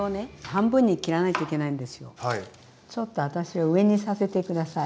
ちょっと私は上にさせて下さい。